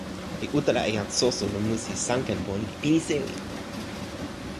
mi utala e jan Soso lon musi Sankenpon li pini sewi.